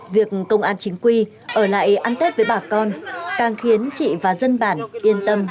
việc công an chính quy ở lại ăn tết với bà con càng khiến chị và dân bản yên tâm